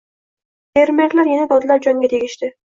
Fermerlar yana dodlab jonga tegishdi